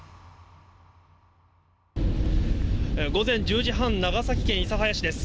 午前１０時半、長崎県諫早市です。